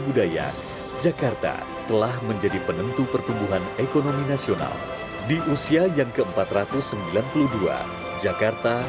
budaya jakarta telah menjadi penentu pertumbuhan ekonomi nasional di usia yang ke empat ratus sembilan puluh dua jakarta